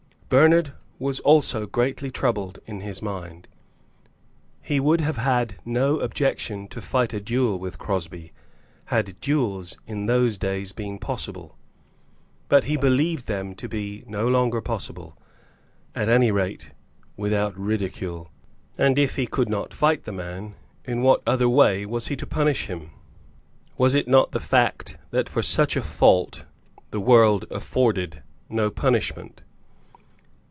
Bernard also was greatly troubled in his mind. He would have had no objection to fight a duel with Crosbie, had duels in these days been possible. But he believed them to be no longer possible, at any rate without ridicule. And if he could not fight the man, in what other way was he to punish him? Was it not the fact that for such a fault the world afforded no punishment?